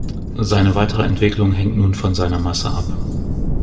Seine weitere Entwicklung hängt nun von seiner Masse ab.